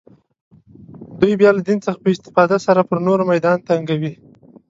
دوی بیا له دین څخه په استفاده سره پر نورو میدان تنګوي